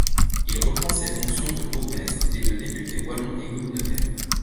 Il reprend ses fonctions de bourgmestre et de député wallon et communautaire.